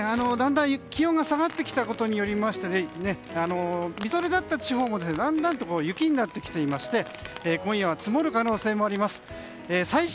だんだん気温が下がってきたことによりましてみぞれだった地方もだんだんと雪になっていまして今夜は積もる可能性もあります。